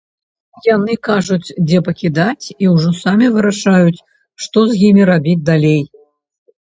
Яны кажуць, дзе пакідаць, і ўжо самі вырашаюць, што з імі рабіць далей.